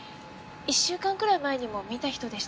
１週間くらい前にも見た人でした。